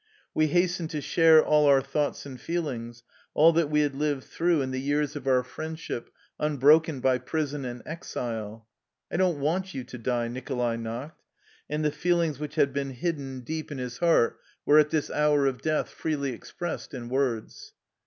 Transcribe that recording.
We hastened to share all our thoughts and feelings, all that we had lived through in the years of our friendship, unbroken by prison and exile. " I don't want you to die," Nicholai knocked, and the feelings which had been hidden deep in 161 THE LIFE STOEY OF A RUSSIAN EXILE his heart were at this hour of death freely ex pressed in words.